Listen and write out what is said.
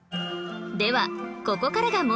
ここからが問題